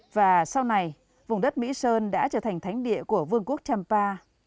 và sau này vùng đất mỹ sơn đã trở thành thánh địa của vương quốc champa